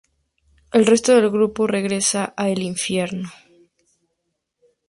El resto del grupo regresa a "El Infierno".